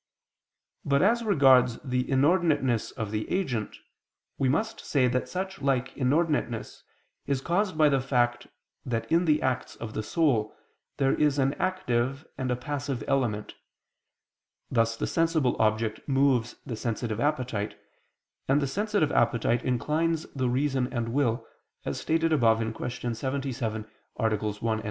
But as regards the inordinateness of the agent, we must say that such like inordinateness is caused by the fact that in the acts of the soul, there is an active, and a passive element: thus the sensible object moves the sensitive appetite, and the sensitive appetite inclines the reason and will, as stated above (Q. 77, AA. 1, 2).